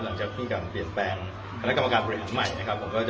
หลังจากที่การเปลี่ยนแปลงคณะกรรมการบริหารใหม่นะครับผมก็จะ